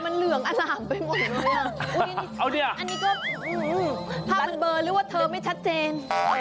มันเหลืองอนามไปหมดเลยอ่ะอันนี้ก็ภาพมันเบอร์หรือว่าเธอไม่ชัดเจน